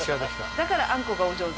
だからあんこがお上手。